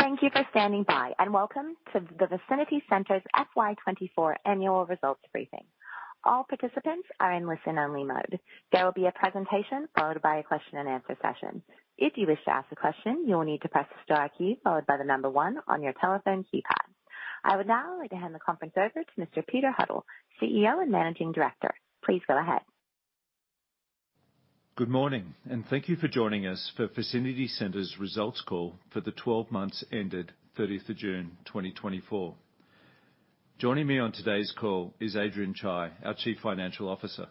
Thank you for standing by, and welcome to the Vicinity Centres FY 2024 annual results briefing. All participants are in listen-only mode. There will be a presentation followed by a question and answer session. If you wish to ask a question, you will need to press the star key followed by the number one on your telephone keypad. I would now like to hand the conference over to Mr. Peter Huddle, CEO and Managing Director. Please go ahead. Good morning, and thank you for joining us for Vicinity Centres Results call for the twelve months ended thirtieth of June, 2024. Joining me on today's call is Adrian Chye, our Chief Financial Officer.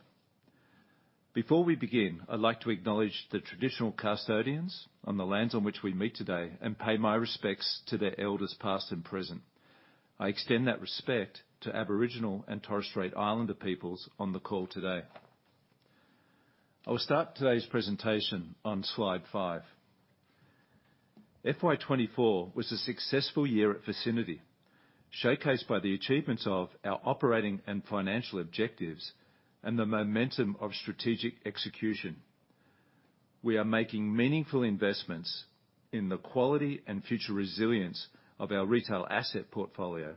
Before we begin, I'd like to acknowledge the traditional custodians on the lands on which we meet today and pay my respects to their elders, past and present. I extend that respect to Aboriginal and Torres Strait Islander peoples on the call today. I will start today's presentation on slide five. FY 2024 was a successful year at Vicinity, showcased by the achievements of our operating and financial objectives and the momentum of strategic execution. We are making meaningful investments in the quality and future resilience of our retail asset portfolio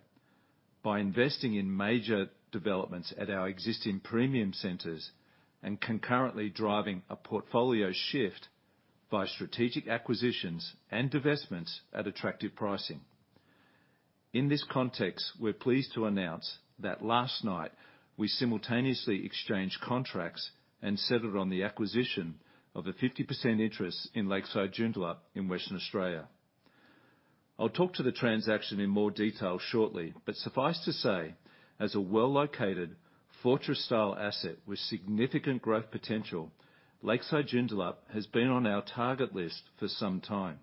by investing in major developments at our existing premium centers and concurrently driving a portfolio shift by strategic acquisitions and divestments at attractive pricing. In this context, we're pleased to announce that last night we simultaneously exchanged contracts and settled on the acquisition of a 50% interest in Lakeside Joondalup in Western Australia. I'll talk to the transaction in more detail shortly, but suffice to say, as a well-located, fortress-style asset with significant growth potential, Lakeside Joondalup has been on our target list for some time.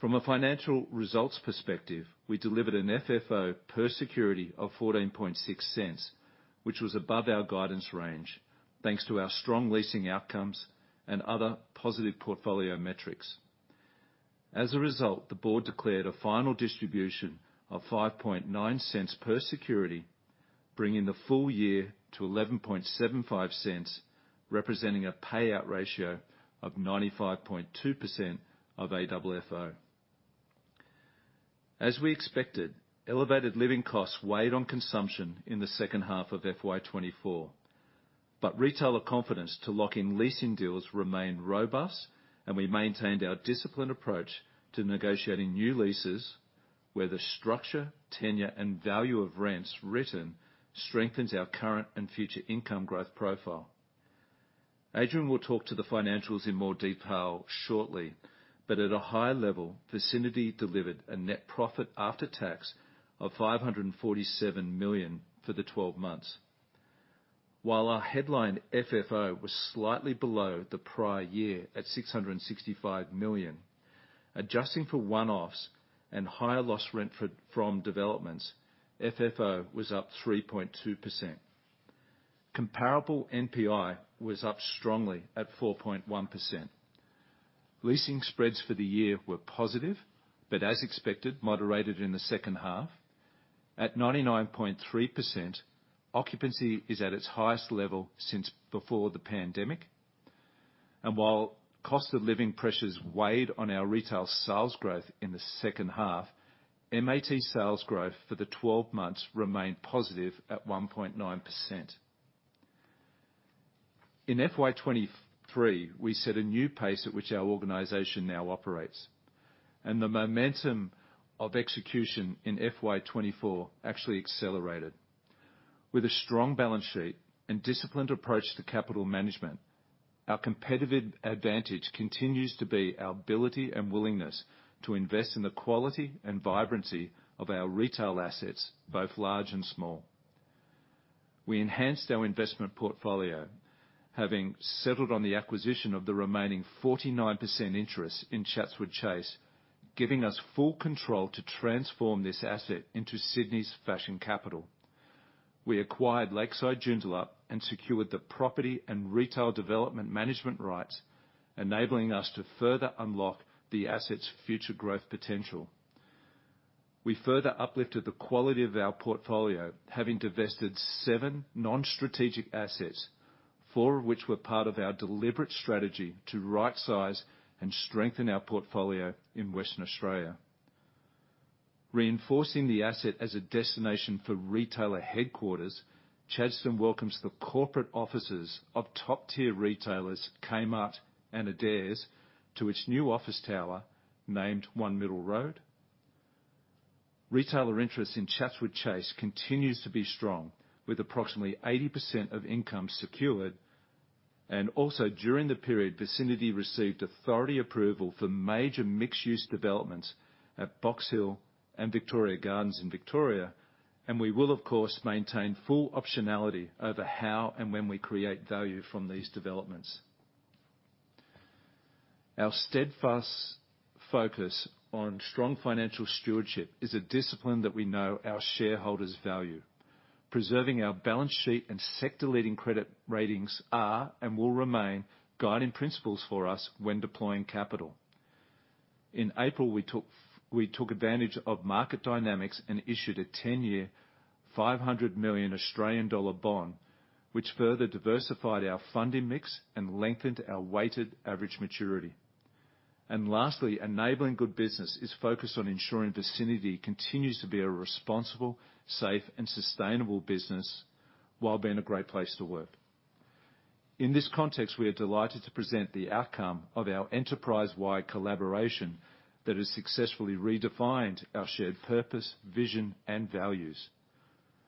From a financial results perspective, we delivered an FFO per security of 0.146, which was above our guidance range, thanks to our strong leasing outcomes and other positive portfolio metrics. As a result, the board declared a final distribution of 0.059 per security, bringing the full year to 0.1175, representing a payout ratio of 95.2% of AFFO. As we expected, elevated living costs weighed on consumption in the second half of FY 2024, but retailer confidence to lock in leasing deals remained robust, and we maintained our disciplined approach to negotiating new leases, where the structure, tenure, and value of rents written strengthens our current and future income growth profile. Adrian will talk to the financials in more detail shortly, but at a high level, Vicinity delivered a net profit after tax of 547 million for the twelve months. While our headline FFO was slightly below the prior year at 665 million, adjusting for one-offs and higher rent loss from developments, FFO was up 3.2%. Comparable NPI was up strongly at 4.1%. Leasing spreads for the year were positive, but as expected, moderated in the second half. At 99.3%, occupancy is at its highest level since before the pandemic, and while cost of living pressures weighed on our retail sales growth in the second half, MAT sales growth for the twelve months remained positive at 1.9%. In FY 2023, we set a new pace at which our organization now operates, and the momentum of execution in FY 2024 actually accelerated. With a strong balance sheet and disciplined approach to capital management, our competitive advantage continues to be our ability and willingness to invest in the quality and vibrancy of our retail assets, both large and small. We enhanced our investment portfolio, having settled on the acquisition of the remaining 49% interest in Chatswood Chase, giving us full control to transform this asset into Sydney's fashion capital. We acquired Lakeside Joondalup and secured the property and retail development management rights, enabling us to further unlock the asset's future growth potential. We further uplifted the quality of our portfolio, having divested seven non-strategic assets, four of which were part of our deliberate strategy to rightsize and strengthen our portfolio in Western Australia. Reinforcing the asset as a destination for retailer headquarters, Chadstone welcomes the corporate offices of top-tier retailers, Kmart and Adairs, to its new office tower, named One Middle Road. Retailer interest in Chatswood Chase continues to be strong, with approximately 80% of income secured, and also, during the period, Vicinity received authority approval for major mixed-use developments at Box Hill and Victoria Gardens in Victoria, and we will, of course, maintain full optionality over how and when we create value from these developments. Our steadfast focus on strong financial stewardship is a discipline that we know our shareholders value. Preserving our balance sheet and sector-leading credit ratings are, and will remain, guiding principles for us when deploying capital. In April, we took advantage of market dynamics and issued a 10-year, 500 million Australian dollar bond, which further diversified our funding mix and lengthened our weighted average maturity. And lastly, enabling good business is focused on ensuring Vicinity continues to be a responsible, safe, and sustainable business, while being a great place to work. In this context, we are delighted to present the outcome of our enterprise-wide collaboration that has successfully redefined our shared purpose, vision, and values.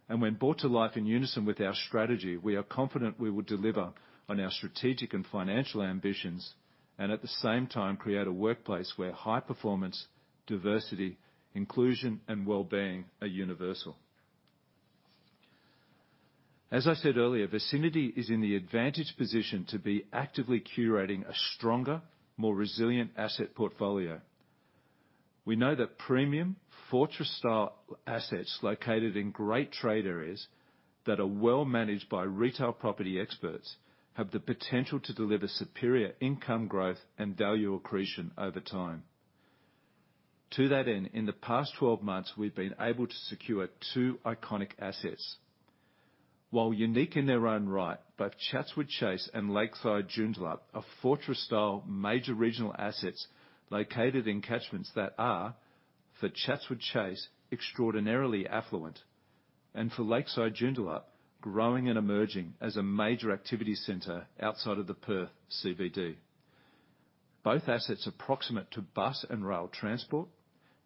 And when brought to life in unison with our strategy, we are confident we will deliver on our strategic and financial ambitions, and at the same time, create a workplace where high performance, diversity, inclusion, and well-being are universal. As I said earlier, Vicinity is in the advantageous position to be actively curating a stronger, more resilient asset portfolio. We know that premium, fortress-style assets located in great trade areas, that are well managed by retail property experts, have the potential to deliver superior income growth and value accretion over time. To that end, in the past twelve months, we've been able to secure two iconic assets. While unique in their own right, both Chatswood Chase and Lakeside Joondalup are fortress-style major regional assets located in catchments that are: for Chatswood Chase, extraordinarily affluent, and for Lakeside Joondalup, growing and emerging as a major activity center outside of the Perth CBD. Both assets are proximate to bus and rail transport,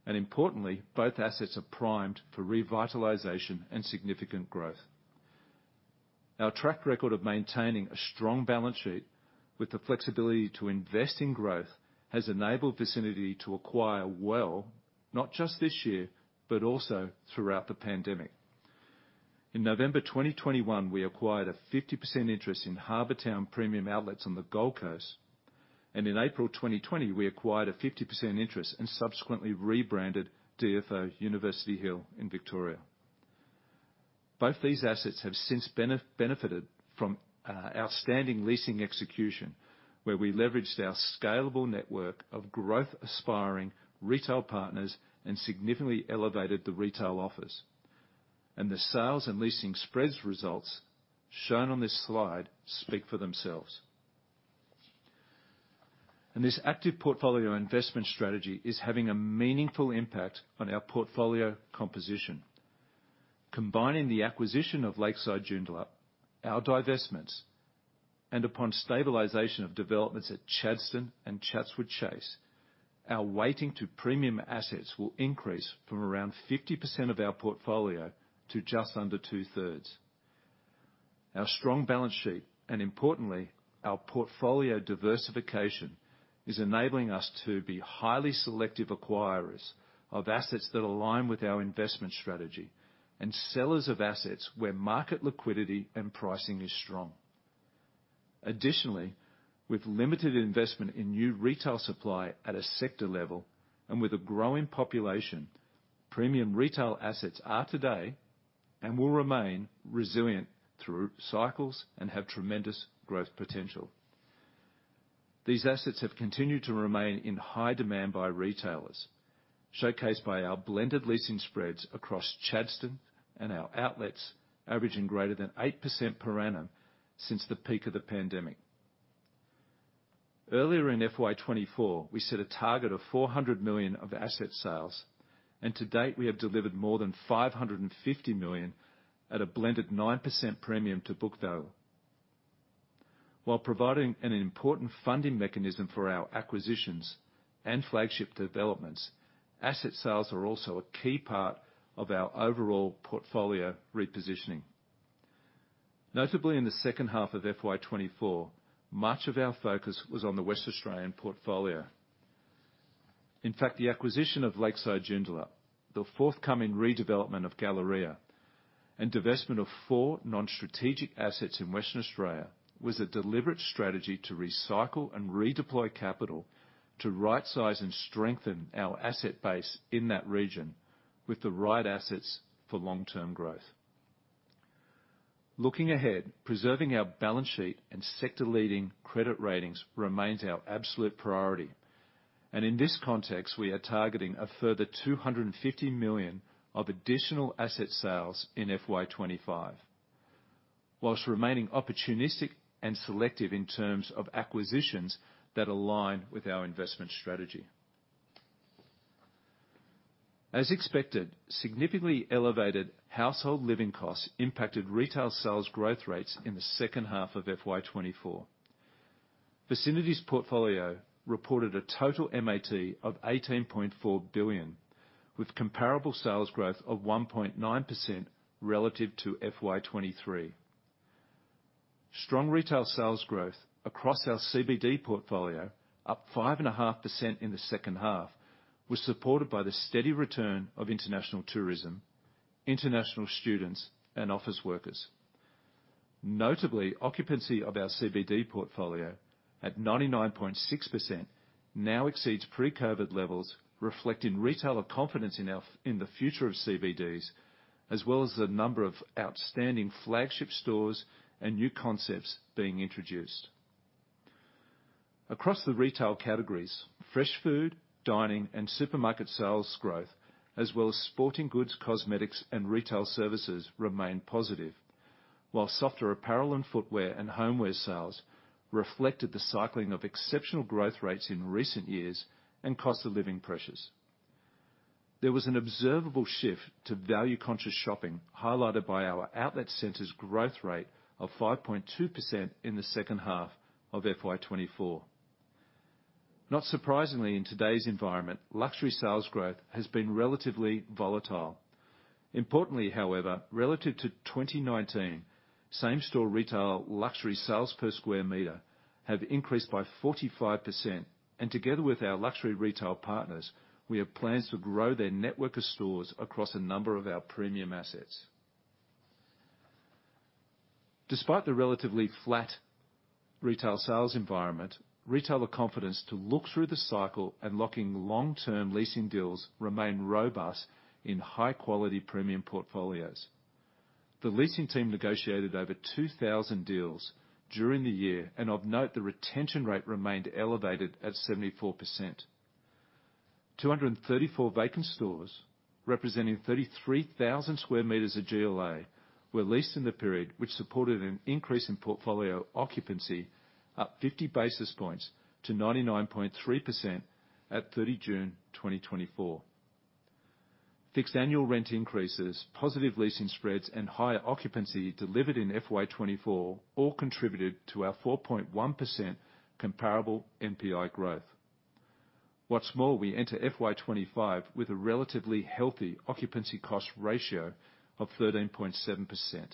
and importantly, both assets are primed for revitalization and significant growth. Our track record of maintaining a strong balance sheet with the flexibility to invest in growth, has enabled Vicinity to acquire well, not just this year, but also throughout the pandemic. In November 2021, we acquired a 50% interest in Harbour Town Premium Outlets on the Gold Coast, and in April 2020, we acquired a 50% interest and subsequently rebranded DFO University Hill in Victoria. Both these assets have since benefited from outstanding leasing execution, where we leveraged our scalable network of growth-aspiring retail partners and significantly elevated the retail offer. And the sales and leasing spread results, shown on this slide, speak for themselves. And this active portfolio investment strategy is having a meaningful impact on our portfolio composition. Combining the acquisition of Lakeside Joondalup, our divestments, and upon stabilization of developments at Chadstone and Chatswood Chase, our weighting to premium assets will increase from around 50% of our portfolio to just under two-thirds. Our strong balance sheet, and importantly, our portfolio diversification, is enabling us to be highly selective acquirers of assets that align with our investment strategy, and sellers of assets where market liquidity and pricing is strong. Additionally, with limited investment in new retail supply at a sector level, and with a growing population, premium retail assets are today, and will remain resilient through cycles and have tremendous growth potential. These assets have continued to remain in high demand by retailers, showcased by our blended leasing spreads across Chadstone and our outlets, averaging greater than 8% per annum since the peak of the pandemic. Earlier in FY 2024, we set a target of 400 million of asset sales, and to date, we have delivered more than 550 million at a blended 9% premium to book value. While providing an important funding mechanism for our acquisitions and flagship developments, asset sales are also a key part of our overall portfolio repositioning. Notably, in the second half of FY 2024, much of our focus was on the Western Australian portfolio. In fact, the acquisition of Lakeside Joondalup, the forthcoming redevelopment of Galleria, and divestment of four non-strategic assets in Western Australia, was a deliberate strategy to recycle and redeploy capital to rightsize and strengthen our asset base in that region with the right assets for long-term growth. Looking ahead, preserving our balance sheet and sector-leading credit ratings remains our absolute priority, and in this context, we are targeting a further 250 million of additional asset sales in FY 2025, whilst remaining opportunistic and selective in terms of acquisitions that align with our investment strategy. As expected, significantly elevated household living costs impacted retail sales growth rates in the second half of FY 2024. Vicinity's portfolio reported a total MAT of 18.4 billion, with comparable sales growth of 1.9% relative to FY 2023. Strong retail sales growth across our CBD portfolio, up 5.5% in the second half, was supported by the steady return of international tourism, international students, and office workers. Notably, occupancy of our CBD portfolio, at 99.6%, now exceeds pre-COVID levels, reflecting retailer confidence in the future of CBDs, as well as the number of outstanding flagship stores and new concepts being introduced. Across the retail categories, fresh food, dining, and supermarket sales growth, as well as sporting goods, cosmetics, and retail services remained positive. While softer apparel and footwear and homeware sales reflected the cycling of exceptional growth rates in recent years and cost of living pressures. There was an observable shift to value-conscious shopping, highlighted by our outlet center's growth rate of 5.2% in the second half of FY 2024. Not surprisingly, in today's environment, luxury sales growth has been relatively volatile. Importantly, however, relative to 2019, same-store retail luxury sales per square meter have increased by 45%, and together with our luxury retail partners, we have plans to grow their network of stores across a number of our premium assets. Despite the relatively flat retail sales environment, retailer confidence to look through the cycle and locking long-term leasing deals remain robust in high-quality premium portfolios. The leasing team negotiated over 2,000 deals during the year, and of note, the retention rate remained elevated at 74%. 234 vacant stores, representing 33,000 square meters of GLA, were leased in the period, which supported an increase in portfolio occupancy, up 50 basis points to 99.3% at 30 June 2024. Fixed annual rent increases, positive leasing spreads, and higher occupancy delivered in FY 2024 all contributed to our 4.1% comparable NPI growth. What's more, we enter FY 2025 with a relatively healthy occupancy cost ratio of 13.7%.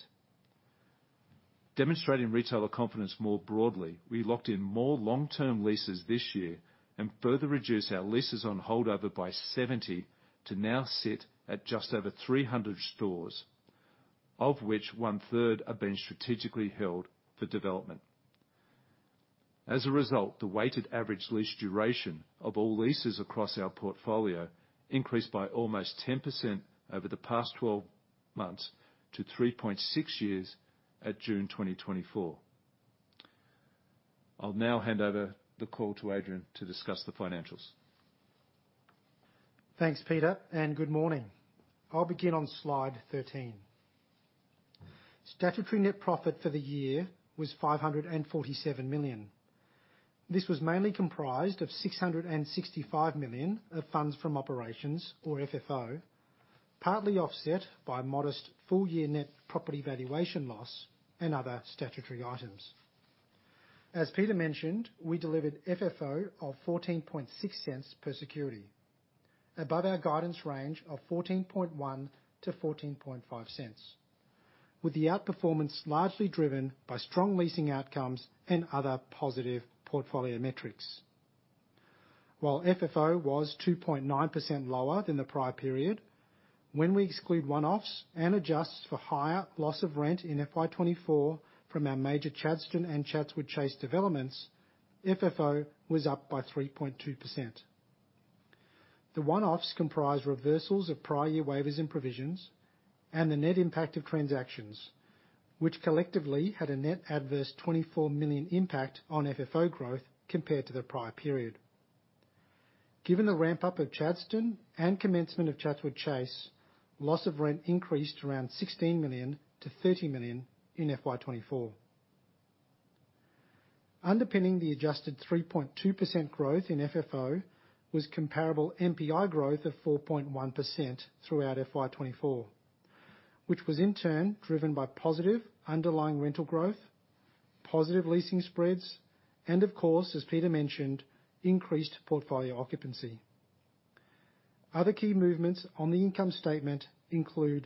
Demonstrating retailer confidence more broadly, we locked in more long-term leases this year and further reduced our leases on holdover by 70, to now sit at just over 300 stores, of which one-third are being strategically held for development. As a result, the weighted average lease duration of all leases across our portfolio increased by almost 10% over the past twelve months to 3.6 years at June 2024. I'll now hand over the call to Adrian to discuss the financials. Thanks, Peter, and good morning. I'll begin on slide 13. Statutory net profit for the year was 547 million. This was mainly comprised of 665 million of funds from operations, or FFO, partly offset by modest full-year net property valuation loss and other statutory items. As Peter mentioned, we delivered FFO of 0.146 per security, above our guidance range of 0.141-0.145, with the outperformance largely driven by strong leasing outcomes and other positive portfolio metrics. While FFO was 2.9% lower than the prior period, when we exclude one-offs and adjust for higher loss of rent in FY 2024 from our major Chadstone and Chatswood Chase developments, FFO was up by 3.2%. The one-offs comprised reversals of prior year waivers and provisions and the net impact of transactions, which collectively had a net adverse 24 million impact on FFO growth compared to the prior period. Given the ramp-up of Chadstone and commencement of Chatswood Chase, loss of rent increased around 16 million-30 million in FY 2024. Underpinning the adjusted 3.2% growth in FFO was comparable NPI growth of 4.1% throughout FY 2024, which was in turn driven by positive underlying rental growth, positive leasing spreads, and of course, as Peter mentioned, increased portfolio occupancy. Other key movements on the income statement include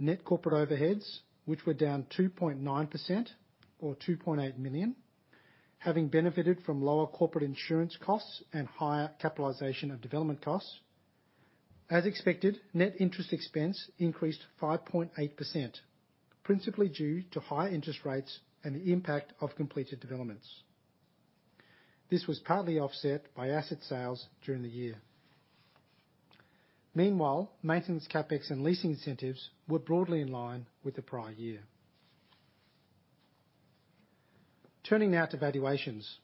net corporate overheads, which were down 2.9% or 2.8 million, having benefited from lower corporate insurance costs and higher capitalization of development costs. As expected, net interest expense increased 5.8%, principally due to higher interest rates and the impact of completed developments. This was partly offset by asset sales during the year. Meanwhile, maintenance CapEx and leasing incentives were broadly in line with the prior year. Turning now to valuations.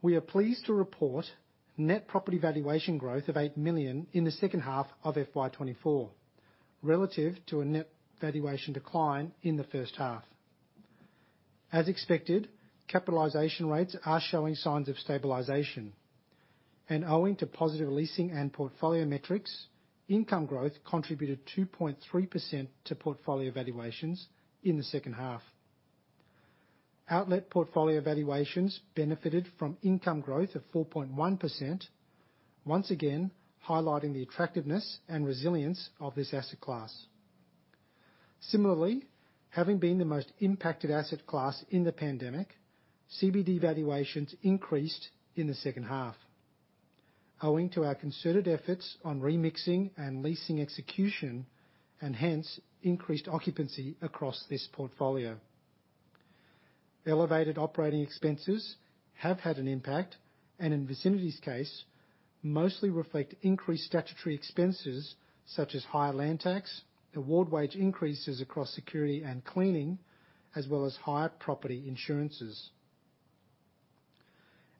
We are pleased to report net property valuation growth of 8 million in the second half of FY 2024, relative to a net valuation decline in the first half. As expected, capitalization rates are showing signs of stabilization, and owing to positive leasing and portfolio metrics, income growth contributed 2.3% to portfolio valuations in the second half. Outlet portfolio valuations benefited from income growth of 4.1%, once again, highlighting the attractiveness and resilience of this asset class. Similarly, having been the most impacted asset class in the pandemic, CBD valuations increased in the second half, owing to our concerted efforts on remixing and leasing execution, and hence, increased occupancy across this portfolio. Elevated operating expenses have had an impact, and in Vicinity's case, mostly reflect increased statutory expenses, such as higher land tax, award wage increases across security and cleaning, as well as higher property insurances.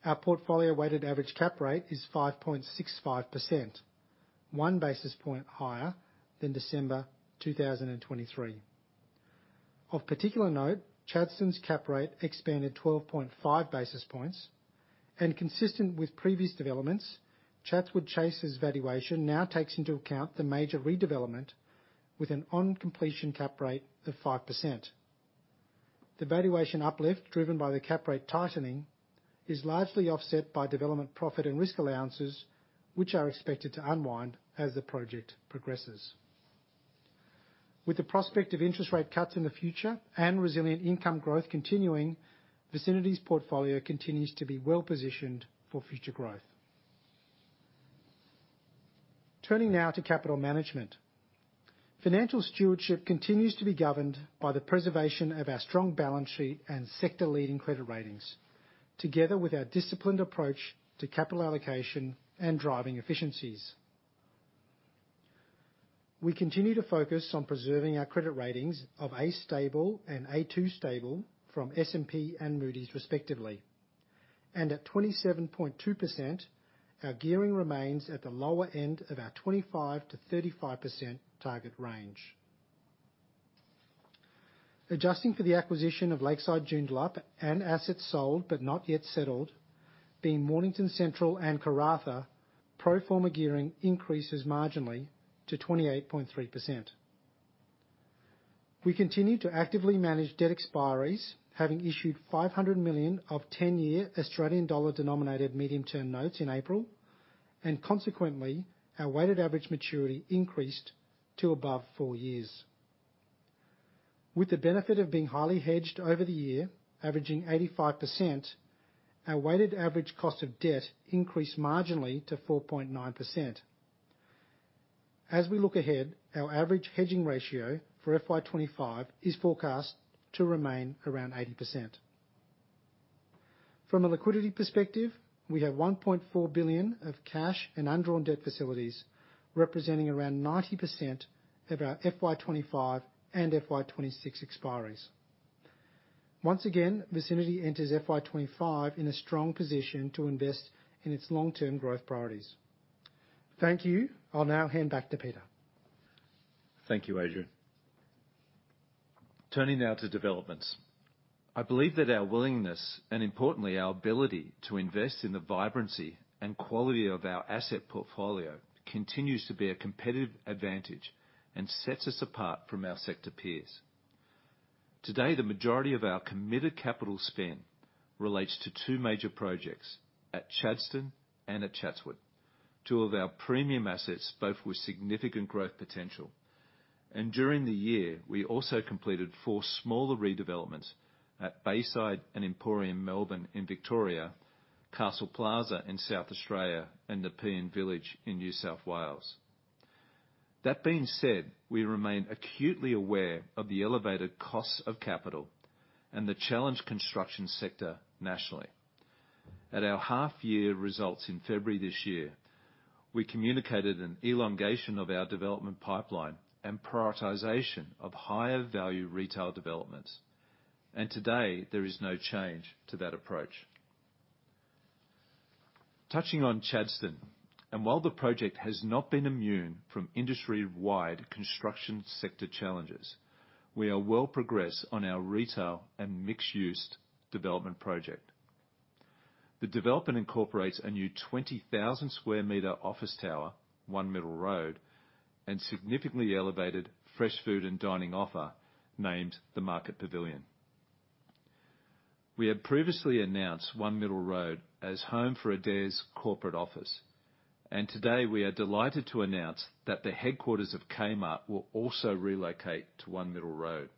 Our portfolio weighted average cap rate is 5.65%, one basis point higher than December 2023. Of particular note, Chadstone's cap rate expanded 12.5 basis points, and consistent with previous developments, Chatswood Chase's valuation now takes into account the major redevelopment with an on-completion cap rate of 5%. The valuation uplift, driven by the cap rate tightening, is largely offset by development profit and risk allowances, which are expected to unwind as the project progresses. With the prospect of interest rate cuts in the future and resilient income growth continuing, Vicinity's portfolio continues to be well-positioned for future growth. Turning now to capital management. Financial stewardship continues to be governed by the preservation of our strong balance sheet and sector-leading credit ratings, together with our disciplined approach to capital allocation and driving efficiencies. We continue to focus on preserving our credit ratings of A stable and A2 stable from S&P and Moody's, respectively. At 27.2%, our gearing remains at the lower end of our 25%-35% target range. Adjusting for the acquisition of Lakeside Joondalup and assets sold but not yet settled, being Mornington Central and Karratha, pro forma gearing increases marginally to 28.3%. We continue to actively manage debt expiries, having issued 500 million of 10-year Australian dollar-denominated medium-term notes in April, and consequently, our weighted average maturity increased to above 4 years. With the benefit of being highly hedged over the year, averaging 85%, our weighted average cost of debt increased marginally to 4.9%. As we look ahead, our average hedging ratio for FY 2025 is forecast to remain around 80%. From a liquidity perspective, we have 1.4 billion of cash and undrawn debt facilities, representing around 90% of our FY 2025 and FY 2026 expiries. Once again, Vicinity enters FY 2025 in a strong position to invest in its long-term growth priorities. Thank you. I'll now hand back to Peter. Thank you, Adrian. Turning now to developments. I believe that our willingness, and importantly, our ability to invest in the vibrancy and quality of our asset portfolio continues to be a competitive advantage and sets us apart from our sector peers. Today, the majority of our committed capital spend relates to two major projects, at Chadstone and at Chatswood, two of our premium assets, both with significant growth potential. And during the year, we also completed four smaller redevelopments at Bayside and Emporium Melbourne in Victoria, Castle Plaza in South Australia, and Nepean Village in New South Wales. That being said, we remain acutely aware of the elevated costs of capital and the challenged construction sector nationally. At our half-year results in February this year, we communicated an elongation of our development pipeline and prioritization of higher-value retail developments, and today, there is no change to that approach. Touching on Chadstone, while the project has not been immune from industry-wide construction sector challenges, we are well progressed on our retail and mixed-use development project. The development incorporates a new 20,000 sq m office tower, One Middle Road, and significantly elevated fresh food and dining offer, named The Market Pavilion. We had previously announced One Middle Road as home for Adairs' corporate office, and today, we are delighted to announce that the headquarters of Kmart will also relocate to One Middle Road.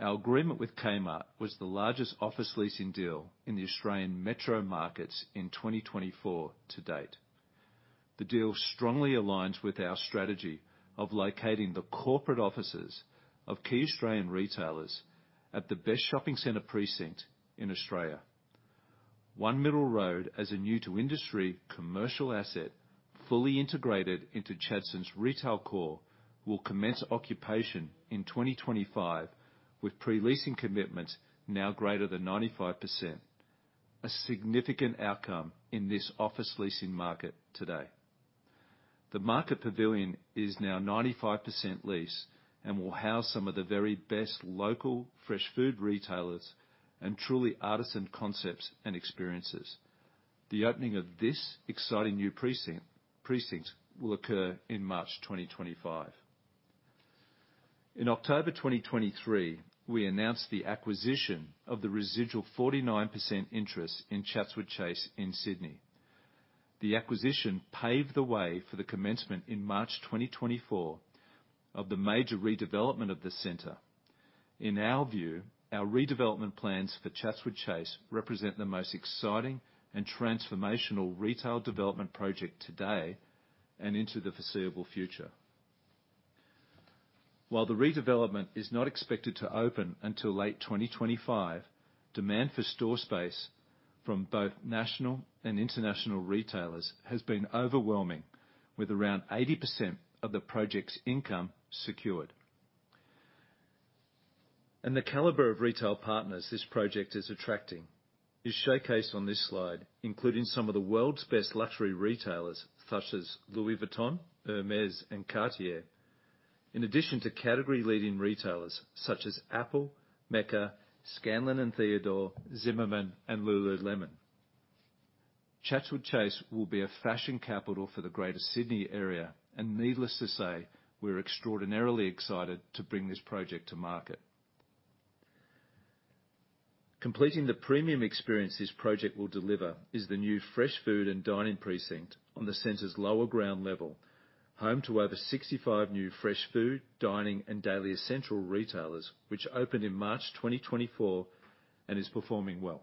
Our agreement with Kmart was the largest office leasing deal in the Australian metro markets in 2024 to date. The deal strongly aligns with our strategy of locating the corporate offices of key Australian retailers at the best shopping center precinct in Australia. One Middle Road, as a new-to-industry commercial asset, fully integrated into Chadstone's retail core, will commence occupation in 2025, with pre-leasing commitments now greater than ninety-five%, a significant outcome in this office leasing market today. The Market Pavilion is now ninety-five% leased and will house some of the very best local fresh food retailers and truly artisan concepts and experiences. The opening of this exciting new precinct will occur in March 2025. In October 2023, we announced the acquisition of the residual forty-nine% interest in Chatswood Chase in Sydney. The acquisition paved the way for the commencement in March 2024 of the major redevelopment of the center. In our view, our redevelopment plans for Chatswood Chase represent the most exciting and transformational retail development project today and into the foreseeable future.... While the redevelopment is not expected to open until late 2025, demand for store space from both national and international retailers has been overwhelming, with around 80% of the project's income secured, and the caliber of retail partners this project is attracting is showcased on this slide, including some of the world's best luxury retailers, such as Louis Vuitton, Hermès, and Cartier. In addition to category-leading retailers such as Apple, Mecca, Scanlan and Theodore, Zimmermann, and Lululemon. Chatswood Chase will be a fashion capital for the greater Sydney area, and needless to say, we're extraordinarily excited to bring this project to market. Completing the premium experience this project will deliver is the new fresh food and dining precinct on the center's lower ground level, home to over 65 new fresh food, dining, and daily essential retailers, which opened in March 2024 and is performing well.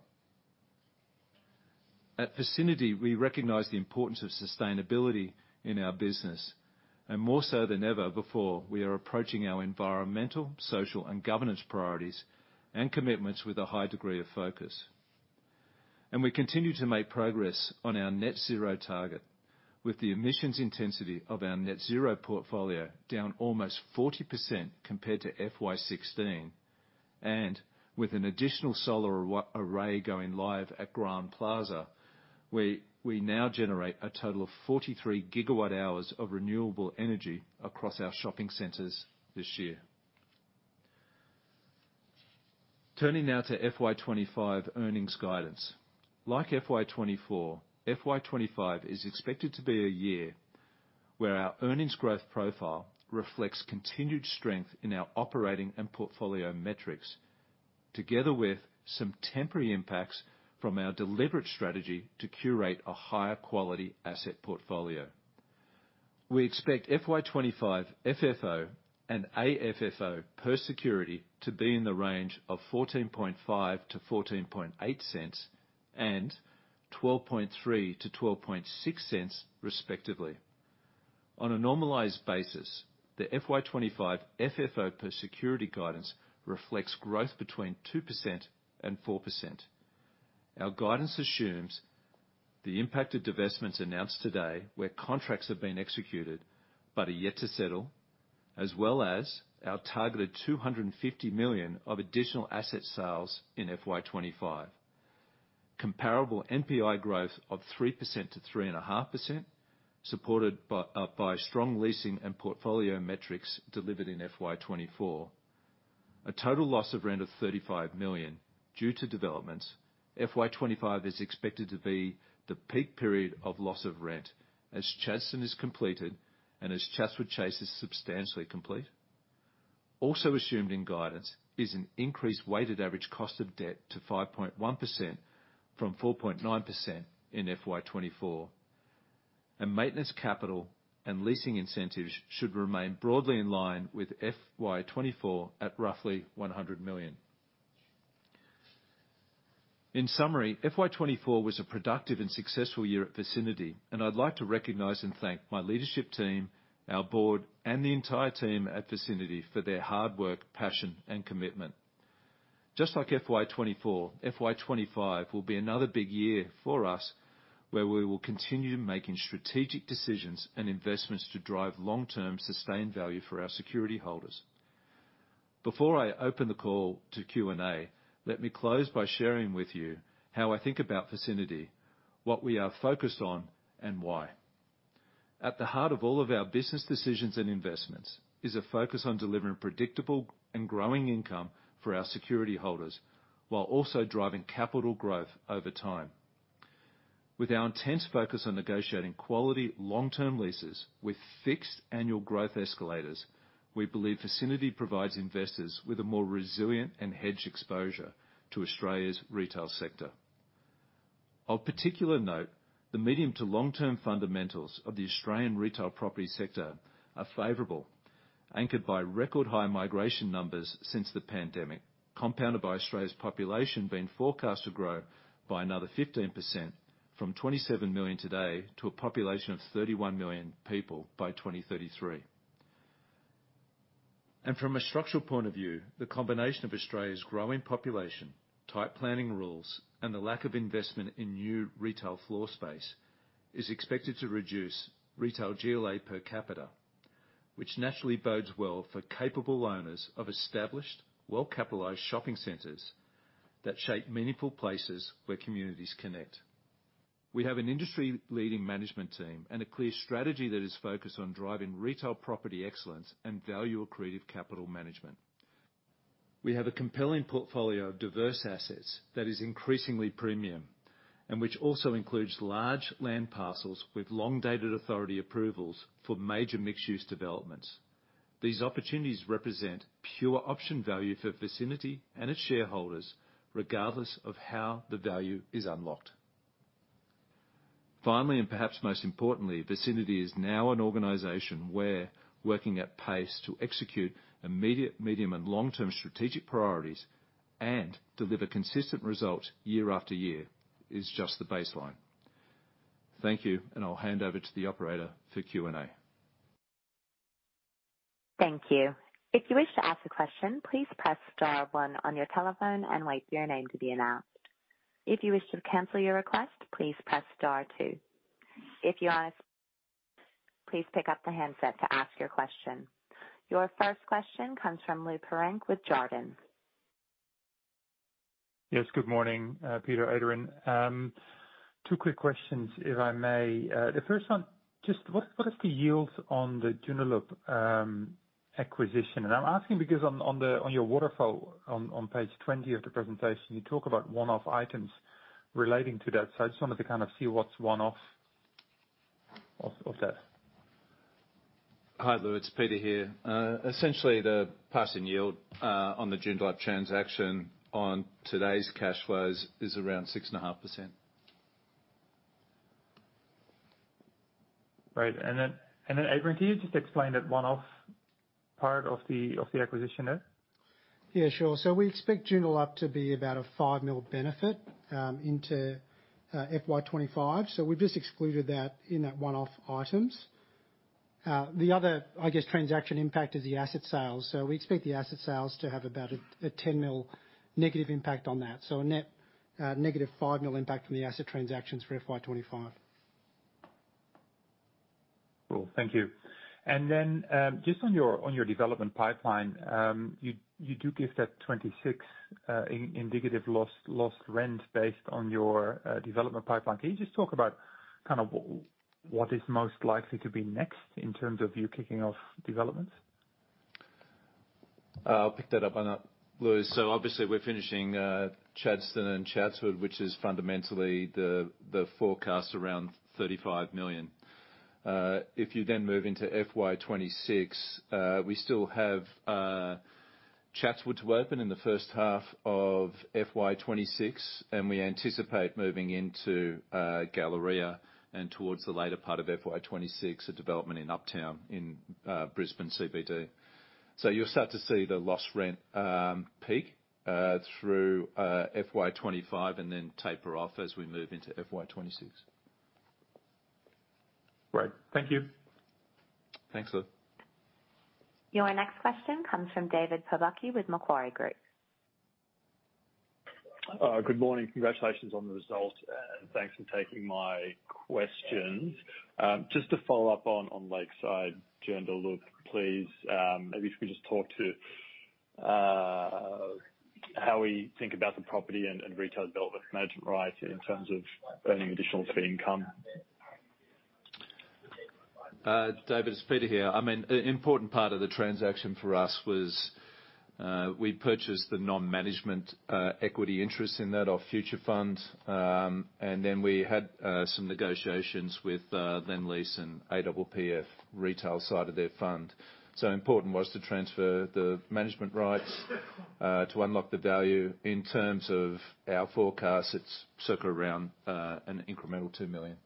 At Vicinity, we recognize the importance of sustainability in our business, and more so than ever before, we are approaching our environmental, social, and governance priorities and commitments with a high degree of focus. We continue to make progress on our net zero target, with the emissions intensity of our net zero portfolio down almost 40% compared to FY 2016, and with an additional solar array going live at Grand Plaza, we now generate a total of 43 gigawatt hours of renewable energy across our shopping centers this year. Turning now to FY 2025 earnings guidance. Like FY 2024, FY 2025 is expected to be a year where our earnings growth profile reflects continued strength in our operating and portfolio metrics, together with some temporary impacts from our deliberate strategy to curate a higher quality asset portfolio. We expect FY 2025 FFO and AFFO per security to be in the range of 0.145-0.148 and 0.123-0.126, respectively. On a normalized basis, the FY 2025 FFO per security guidance reflects growth between 2% and 4%. Our guidance assumes the impacted divestments announced today, where contracts have been executed but are yet to settle, as well as our targeted 250 million of additional asset sales in FY 2025. Comparable NPI growth of 3%-3.5%, supported by strong leasing and portfolio metrics delivered in FY 2024. A total loss of rent of 35 million due to developments. FY 2025 is expected to be the peak period of loss of rent as Chadstone is completed and as Chatswood Chase is substantially complete. Also assumed in guidance is an increased weighted average cost of debt to 5.1% from 4.9% in FY 2024. And maintenance, capital, and leasing incentives should remain broadly in line with FY 2024 at roughly AUD 100 million. In summary, FY 2024 was a productive and successful year at Vicinity, and I'd like to recognize and thank my leadership team, our board, and the entire team at Vicinity for their hard work, passion, and commitment. Just like FY 2024, FY 2025 will be another big year for us, where we will continue making strategic decisions and investments to drive long-term sustained value for our security holders. Before I open the call to Q&A, let me close by sharing with you how I think about Vicinity, what we are focused on, and why. At the heart of all of our business decisions and investments is a focus on delivering predictable and growing income for our security holders, while also driving capital growth over time. With our intense focus on negotiating quality, long-term leases with fixed annual growth escalators, we believe Vicinity provides investors with a more resilient and hedged exposure to Australia's retail sector. Of particular note, the medium to long-term fundamentals of the Australian retail property sector are favorable, anchored by record high migration numbers since the pandemic, compounded by Australia's population being forecast to grow by another 15%, from 27 million today to a population of 31 million people by 2033. From a structural point of view, the combination of Australia's growing population, tight planning rules, and the lack of investment in new retail floor space is expected to reduce retail GLA per capita, which naturally bodes well for capable owners of established, well-capitalized shopping centers that shape meaningful places where communities connect. We have an industry-leading management team and a clear strategy that is focused on driving retail property excellence and value accretive capital management. We have a compelling portfolio of diverse assets that is increasingly premium, and which also includes large land parcels with long-dated authority approvals for major mixed-use developments. These opportunities represent pure option value for Vicinity and its shareholders, regardless of how the value is unlocked. Finally, and perhaps most importantly, Vicinity is now an organization where working at pace to execute immediate, medium, and long-term strategic priorities and deliver consistent results year after year is just the baseline. Thank you, and I'll hand over to the operator for Q&A. Thank you. If you wish to ask a question, please press star one on your telephone and wait for your name to be announced. If you wish to cancel your request, please press star two. If you are, please pick up the handset to ask your question. Your first question comes from Lou Pirenc with Jarden. Yes, good morning, Peter, Adrian. Two quick questions, if I may. The first one, just what is the yield on the Joondalup acquisition? And I'm asking because on your waterfall on page twenty of the presentation, you talk about one-off items relating to that. So I just wanted to kind of see what's one-off of that. Hi, Lou, it's Peter here. Essentially, the passing yield on the Joondalup transaction on today's cash flows is around 6.5%. Right. And then, Adrian, can you just explain that one-off part of the acquisition there? Yeah, sure, so we expect Joondalup to be about a 5 million benefit into FY 2025. So we've just excluded that in that one-off items. The other, I guess, transaction impact is the asset sales. So we expect the asset sales to have about a 10 million negative impact on that. So a net negative 5 million impact from the asset transactions for FY 2025. Cool, thank you. And then, just on your development pipeline, you do give that twenty-six in negative lost rent based on your development pipeline. Can you just talk about kind of what is most likely to be next in terms of you kicking off developments? I'll pick that up, Lou. So obviously, we're finishing Chadstone and Chatswood, which is fundamentally the forecast around 35 million. If you then move into FY 2026, we still have Chatswood to open in the first half of FY 2026, and we anticipate moving into Galleria and towards the later part of FY 2026, a development in Uptown in Brisbane CBD. So you'll start to see the lost rent peak through FY 2025, and then taper off as we move into FY 2026. Great. Thank you. Thanks, Lou. Your next question comes from David Pobje with Macquarie Group. Good morning. Congratulations on the results, and thanks for taking my questions. Just to follow up on Lakeside Joondalup, please, maybe if you could just talk to how we think about the property and retail development management rights in terms of earning additional fee income. David, it's Peter here. I mean, an important part of the transaction for us was, we purchased the non-management equity interest in that from Future Fund, and then we had some negotiations with Lendlease and APPF retail side of their fund. So important was to transfer the management rights to unlock the value. In terms of our forecast, it's circles around an incremental 2 million.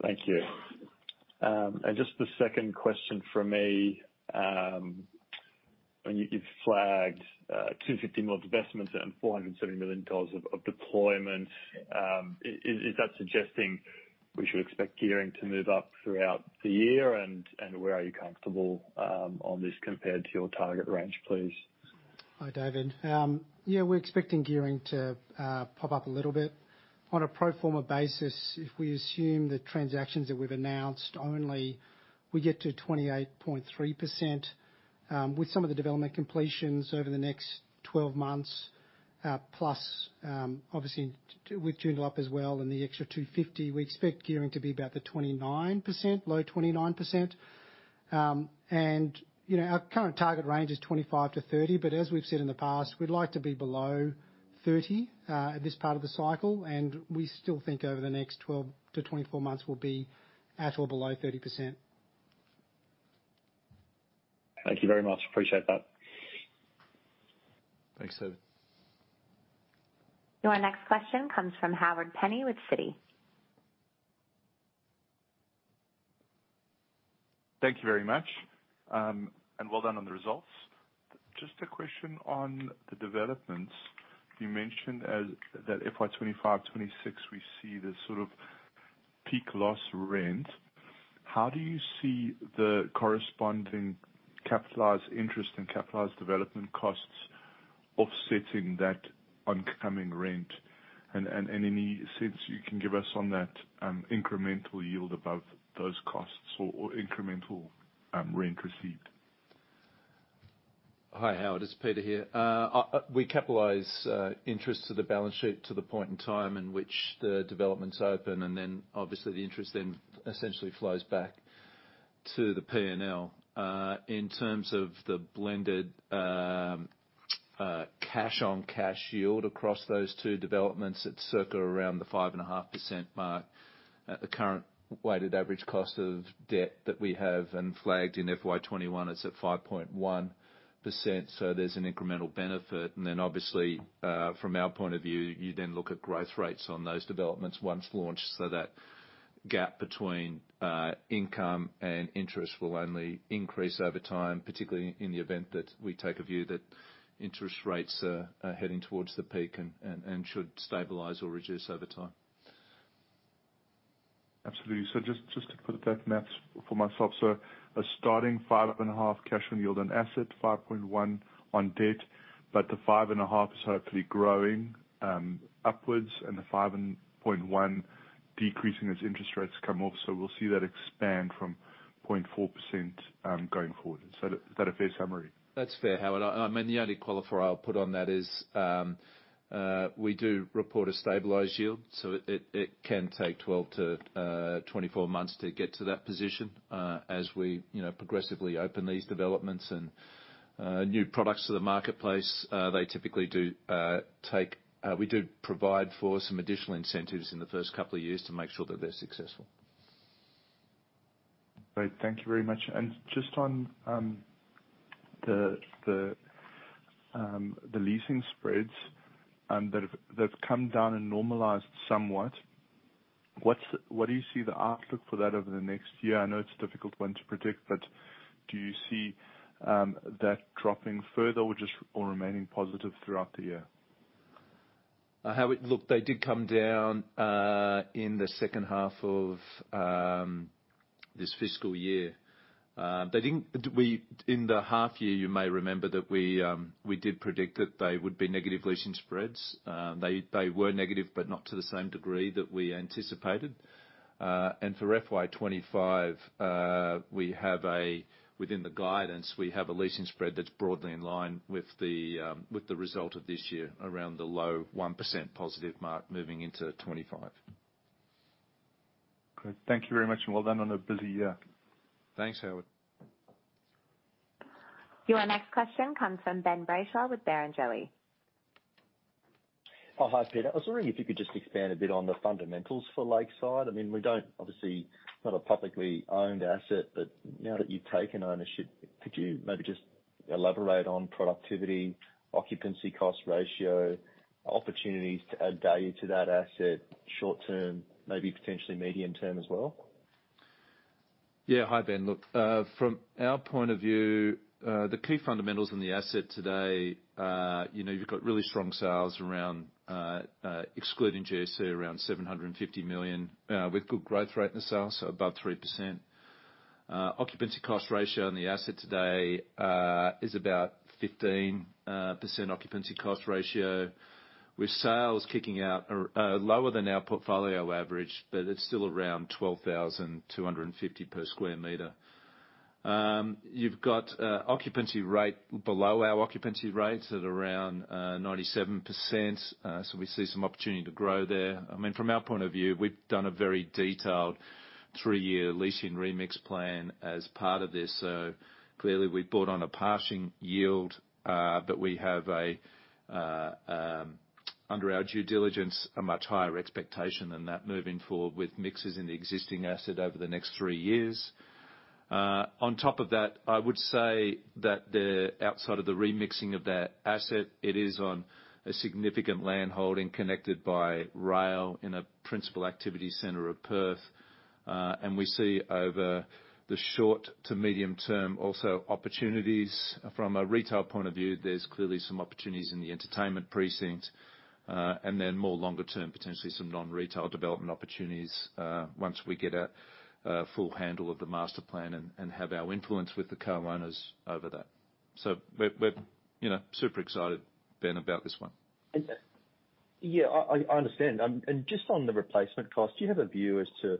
Thank you. And just the second question from me, when you've flagged 250 mil investments and 470 million dollars of deployment, is that suggesting we should expect gearing to move up throughout the year, and where are you comfortable on this compared to your target range, please? Hi, David. Yeah, we're expecting gearing to pop up a little bit. On a pro forma basis, if we assume the transactions that we've announced only, we get to 28.3%. With some of the development completions over the next 12 months, plus, obviously with Joondalup as well and the extra 250, we expect gearing to be about the 29%, low 29 percent, and you know, our current target range is 25%-30%, but as we've said in the past, we'd like to be below 30% at this part of the cycle, and we still think over the next 12-24 months, we'll be at or below 30%. Thank you very much. Appreciate that. Thanks, David. Your next question comes from Howard Penny with Citi. Thank you very much, and well done on the results. Just a question on the developments. You mentioned that FY 2025, 2026, we see the sort of peak lost rent. How do you see the corresponding capitalized interest and capitalized development costs offsetting that incoming rent? And any sense you can give us on that incremental yield above those costs or incremental rent received? Hi, Howard, it's Peter here. We capitalize interest to the balance sheet to the point in time in which the developments open, and then obviously the interest then essentially flows back to the PNL. In terms of the blended cash on cash yield across those two developments, it's circle around the 5.5% mark. At the current weighted average cost of debt that we have and flagged in FY 2021, it's at 5.1%, so there's an incremental benefit. Then obviously, from our point of view, you then look at growth rates on those developments once launched so that gap between income and interest will only increase over time, particularly in the event that we take a view that interest rates are heading towards the peak and should stabilize or reduce over time. Absolutely. So just to put that math for myself, so a starting 5.5% cash on yield on asset, 5.1% on debt, but the 5.5% is hopefully growing upwards and the 5.1% decreasing as interest rates come off. So we'll see that expand from 0.4%, going forward. Is that a fair summary? That's fair, Howard. I mean, the only qualifier I'll put on that is, we do report a stabilized yield, so it can take 12-24 months to get to that position. As we, you know, progressively open these developments and new products to the marketplace, they typically do take, we do provide for some additional incentives in the first couple of years to make sure that they're successful. Great. Thank you very much. And just on the leasing spreads that have- that's come down and normalized somewhat, what do you see the outlook for that over the next year? I know it's a difficult one to predict, but do you see that dropping further or just or remaining positive throughout the year? Howard, look, they did come down in the second half of this fiscal year. In the half year, you may remember that we did predict that they would be negative leasing spreads. They were negative, but not to the same degree that we anticipated, and for FY 2025, we have, within the guidance, a leasing spread that's broadly in line with the result of this year, around the low 1% positive mark moving into 2025. Great. Thank you very much, and well done on a busy year. Thanks, Howard. Your next question comes from Ben Brayshaw with Barrenjoey. Oh, hi, Peter. I was wondering if you could just expand a bit on the fundamentals for Lakeside. I mean, we don't, obviously, not a publicly owned asset, but now that you've taken ownership, could you maybe just elaborate on productivity, occupancy cost ratio, opportunities to add value to that asset short term, maybe potentially medium term as well? Yeah. Hi, Ben. Look, from our point of view, the key fundamentals in the asset today, you know, you've got really strong sales around, excluding GSC, around 750 million, with good growth rate in the sales, so above 3%. Occupancy cost ratio on the asset today is about 15% occupancy cost ratio, with sales kicking out lower than our portfolio average, but it's still around 12,250 per sq m. You've got occupancy rate below our occupancy rates at around 97%, so we see some opportunity to grow there. I mean, from our point of view, we've done a very detailed 3-year leasing remix plan as part of this. So clearly, we bought on a passing yield, but we have a, under our due diligence, a much higher expectation than that moving forward with mixes in the existing asset over the next three years. On top of that, I would say that the outside of the remixing of that asset, it is on a significant land holding connected by rail in a principal activity center of Perth. And we see over the short to medium term, also opportunities from a retail point of view. There's clearly some opportunities in the entertainment precinct, and then more longer term, potentially some non-retail development opportunities, once we get a full handle of the master plan and have our influence with the co-owners over that. So we're, you know, super excited, Ben, about this one. Yeah, I understand. And just on the replacement cost, do you have a view as to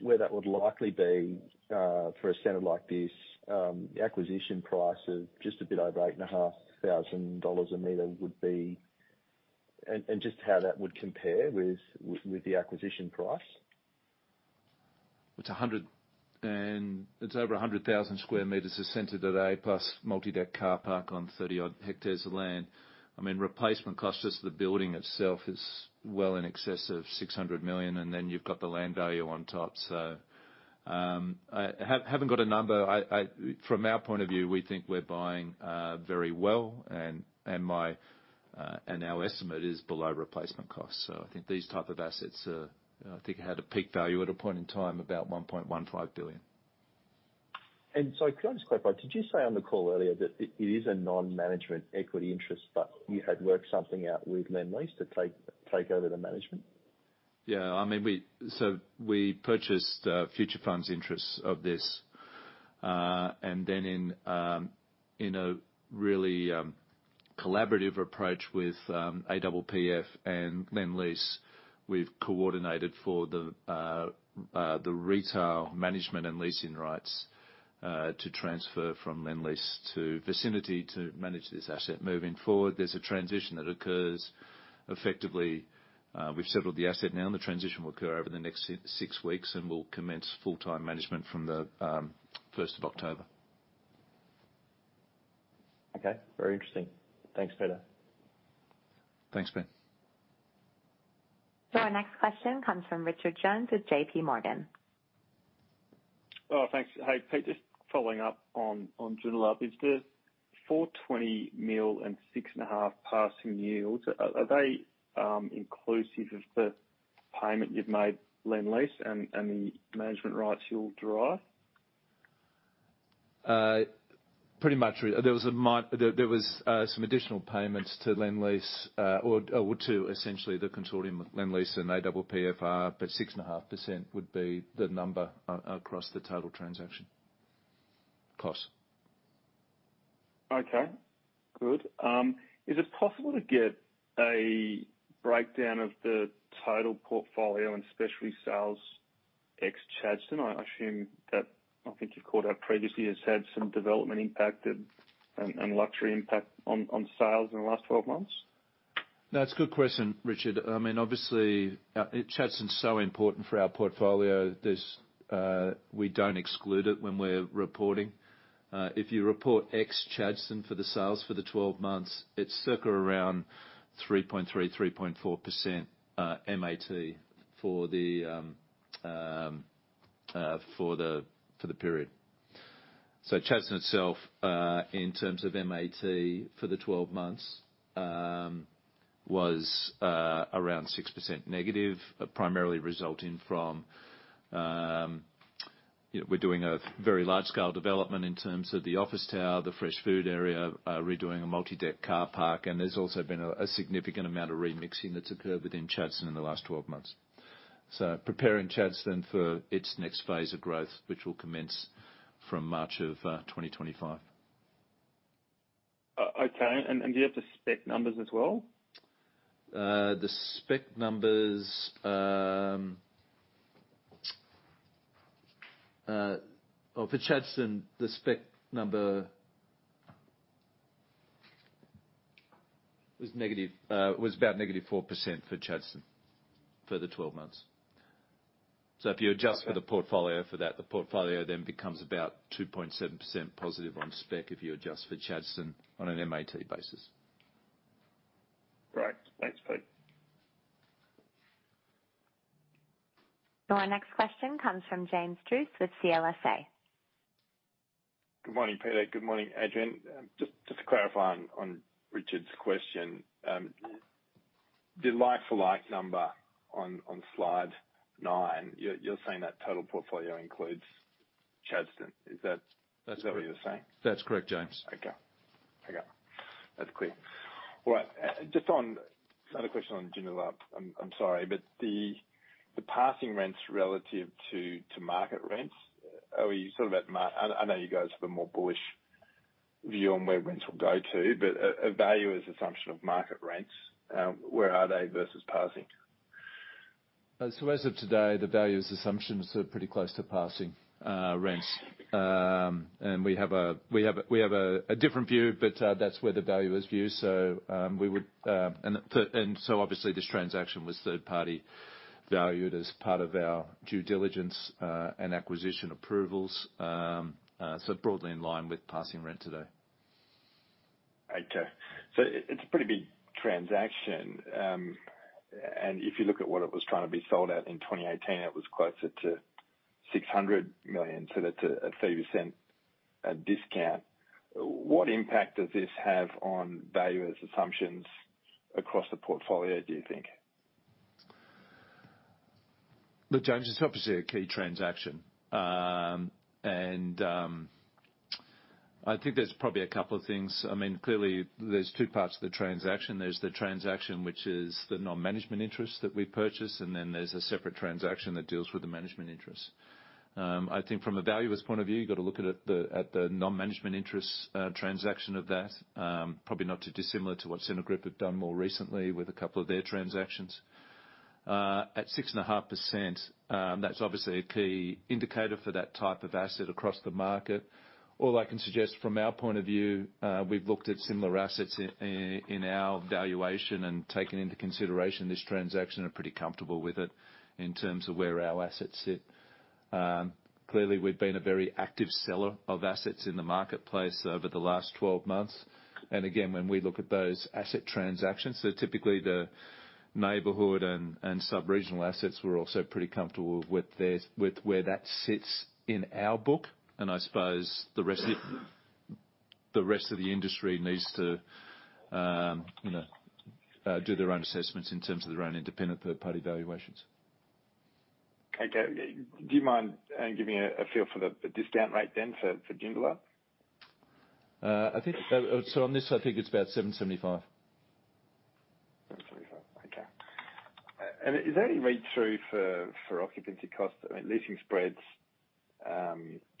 where that would likely be for a center like this? The acquisition price is just a bit over 8,500 dollars a meter would be. And just how that would compare with the acquisition price. It's over a hundred thousand square meters, a center that A-plus multi-deck car park on thirty-odd hectares of land. I mean, replacement cost, just the building itself, is well in excess of 600 million, and then you've got the land value on top. So, I haven't got a number. From our point of view, we think we're buying very well, and our estimate is below replacement cost. So I think these type of assets are, I think, had a peak value at a point in time, about 1.15 billion. Could I just clarify, did you say on the call earlier that it is a non-management equity interest, but you had worked something out with Lendlease to take over the management? Yeah. I mean, so we purchased Future Fund's interest in this. And then, in a really collaborative approach with APPF and Lendlease, we've coordinated for the retail management and leasing rights to transfer from Lendlease to Vicinity to manage this asset. Moving forward, there's a transition that occurs effectively. We've settled the asset now, and the transition will occur over the next six weeks, and we'll commence full-time management from the first of October. Okay. Very interesting. Thanks, Peter. Thanks, Ben. So our next question comes from Richard Jones with J.P. Morgan. Oh, thanks. Hey, Pete, just following up on Joondalup. Is the 420 million and 6.5% passing yields inclusive of the payment you've made Lendlease and the management rights you'll derive? Pretty much, there was some additional payments to Lendlease, or to essentially the consortium of Lendlease and APPF, but 6.5% would be the number across the total transaction cost. Okay, good. Is it possible to get a breakdown of the total portfolio, and especially sales ex-Chadstone? I assume that, I think you've called out previously, has had some development impact and luxury impact on sales in the last twelve months. That's a good question, Richard. I mean, obviously, Chadstone's so important for our portfolio. There is. We don't exclude it when we're reporting. If you report ex-Chadstone for the sales for the 12 months, it's sitting around 3.3%-3.4% MAT for the period. So Chadstone itself, in terms of MAT for the 12 months, was around 6% negative, primarily resulting from, you know, we're doing a very large-scale development in terms of the office tower, the fresh food area, redoing a multi-deck car park, and there's also been a significant amount of remixing that's occurred within Chadstone in the last 12 months. So preparing Chadstone for its next phase of growth, which will commence from March of 2025. Okay. And do you have the spec numbers as well? The spec numbers for Chadstone, the spec number was negative, was about negative 4% for Chadstone for the twelve months. So if you adjust for the portfolio for that, the portfolio then becomes about 2.7% positive on spec if you adjust for Chadstone on an MAT basis. Right. Thanks, Pete. Our next question comes from James Druce with CLSA. Good morning, Peter. Good morning, Adrian. Just to clarify on Richard's question, the like for like number on slide nine, you're saying that total portfolio includes Chadstone. Is that- That's correct. Is that what you're saying? That's correct, James. Okay. Okay, that's clear. All right, just on another question on Joondalup. I'm sorry, but the passing rents relative to market rents, are you sort of at market? I know you guys have a more bullish view on where rents will go to, but a valuer's assumption of market rents, where are they versus passing? As of today, the valuer's assumptions are pretty close to passing rents. We have a different view, but that's where the valuer's view. We would and so obviously this transaction was third-party valued as part of our due diligence and acquisition approvals, so broadly in line with passing rent today. Okay. So it, it's a pretty big transaction, and if you look at what it was trying to be sold at in 2018, it was closer to 600 million, so that's a 30% discount. What impact does this have on valuers' assumptions across the portfolio, do you think? Look, James, it's obviously a key transaction, and I think there's probably a couple of things. I mean, clearly, there's two parts to the transaction. There's the transaction, which is the non-management interest that we purchased, and then there's a separate transaction that deals with the management interest. I think from a valuer's point of view, you've got to look at it at the non-management interest transaction of that, probably not too dissimilar to what Scentre Group have done more recently with a couple of their transactions. At 6.5%, that's obviously a key indicator for that type of asset across the market. All I can suggest from our point of view, we've looked at similar assets in our valuation and taken into consideration this transaction and pretty comfortable with it in terms of where our assets sit. Clearly, we've been a very active seller of assets in the marketplace over the last 12 months. And again, when we look at those asset transactions, so typically the neighborhood and subregional assets, we're also pretty comfortable with where that sits in our book, and I suppose the rest of the industry needs to, you know, do their own assessments in terms of their own independent third-party valuations. Okay. Do you mind giving me a feel for the discount rate then for Joondalup? I think, so on this, I think it's about seven seventy-five. 7.75. Okay. And is there any read-through for occupancy costs? I mean, leasing spreads,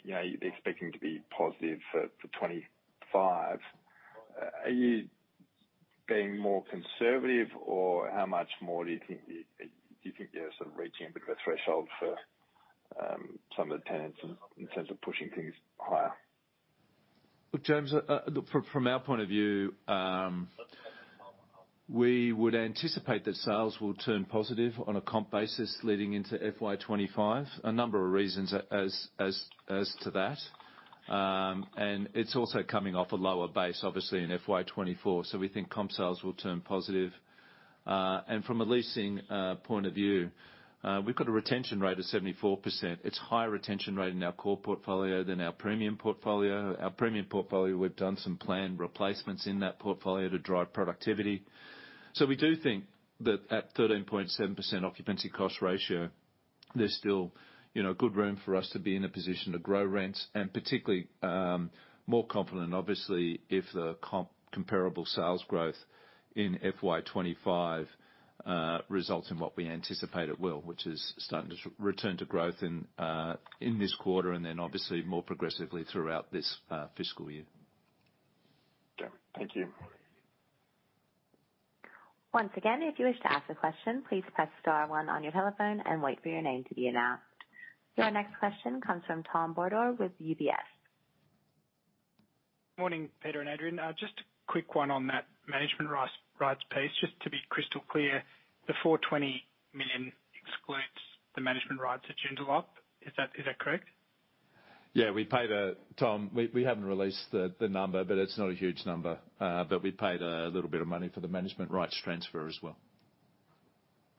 you know, you're expecting to be positive for 25. Are you being more conservative, or how much more do you think you're sort of reaching a bit of a threshold for some of the tenants in terms of pushing things higher? Look, James, from our point of view, we would anticipate that sales will turn positive on a comp basis leading into FY 2025. A number of reasons as to that. And it's also coming off a lower base, obviously, in FY 2024, so we think comp sales will turn positive. And from a leasing point of view, we've got a retention rate of 74%. It's higher retention rate in our core portfolio than our premium portfolio. Our premium portfolio, we've done some planned replacements in that portfolio to drive productivity. So we do think that at 13.7% occupancy cost ratio, there's still, you know, good room for us to be in a position to grow rents, and particularly, more confident, obviously, if the comparable sales growth in FY 2025 results in what we anticipate it will, which is starting to return to growth in this quarter, and then obviously more progressively throughout this fiscal year. Okay, thank you. Once again, if you wish to ask a question, please press star one on your telephone and wait for your name to be announced. Your next question comes from Tom Beder with UBS. Morning, Peter and Adrian. Just a quick one on that management rights piece, just to be crystal clear, the 420 million excludes the management rights at Joondalup. Is that correct? Yeah, we paid a... Tom, we haven't released the number, but it's not a huge number. But we paid a little bit of money for the management rights transfer as well.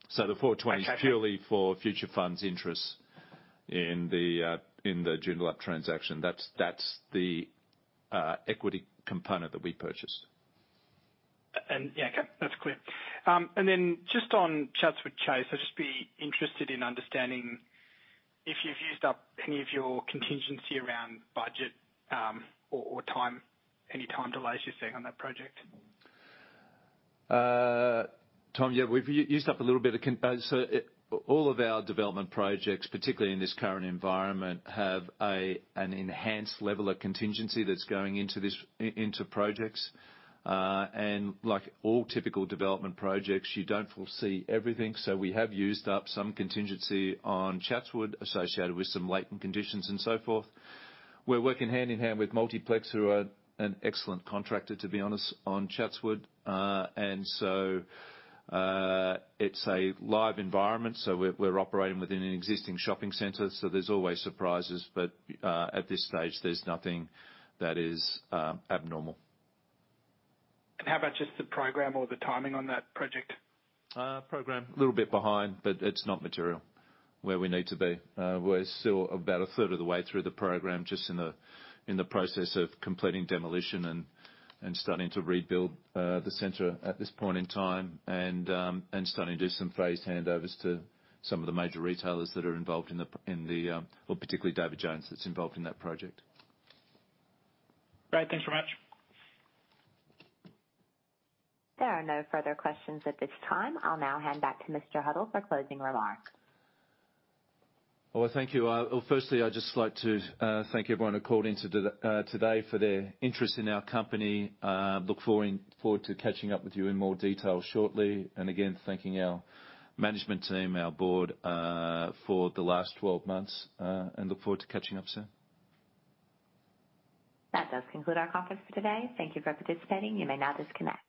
So the four twenty- Okay. is purely for Future Fund's interests in the Joondalup transaction. That's the equity component that we purchased. Yeah, okay, that's clear. And then just on Chatswood Chase, I'd just be interested in understanding if you've used up any of your contingency around budget, or time, any time delays you're seeing on that project? Tom, yeah, we've used up a little bit of contingency. All of our development projects, particularly in this current environment, have an enhanced level of contingency that's going into projects. Like all typical development projects, you don't foresee everything, so we have used up some contingency on Chatswood associated with some latent conditions and so forth. We're working hand-in-hand with Multiplex, who are an excellent contractor, to be honest, on Chatswood. It's a live environment, so we're operating within an existing shopping center, so there's always surprises. At this stage, there's nothing that is abnormal. How about just the program or the timing on that project? Program, a little bit behind, but it's not material where we need to be. We're still about a third of the way through the program, just in the process of completing demolition and starting to rebuild the center at this point in time, and starting to do some phased handovers to some of the major retailers that are involved in the project, or particularly David Jones, that's involved in that project. Great, thanks very much. There are no further questions at this time. I'll now hand back to Mr. Huddle for closing remarks. Thank you. Firstly, I'd just like to thank everyone who called in to today for their interest in our company. Look forward to catching up with you in more detail shortly. And again, thanking our management team, our board, for the last twelve months, and look forward to catching up soon. That does conclude our conference for today. Thank you for participating. You may now disconnect.